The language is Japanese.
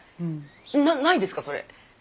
ないですかそれ？